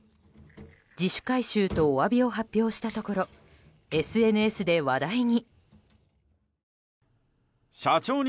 自主回収とお詫びを発表したところＳＮＳで話題に。